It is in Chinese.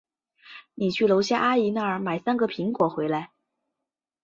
你去楼下阿姨那儿买三个苹果回来。